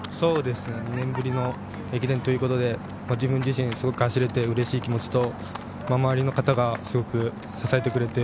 ２年ぶりの駅伝ということで自分自身、すごく走れてうれしい気持ちと周りの方がすごく支えてくれて。